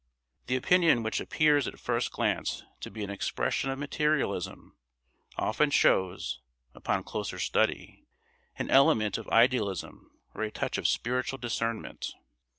The opinion which appears at first glance to be an expression of materialism often shows, upon closer study, an element of idealism or a touch of spiritual discernment.